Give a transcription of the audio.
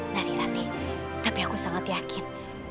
nari latih tapi aku sangat yakin